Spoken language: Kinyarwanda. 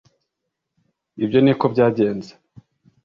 Ibyo ni ko byagenze